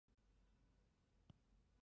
一个下午就买了三本书